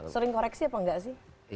sering koreksi apa enggak sih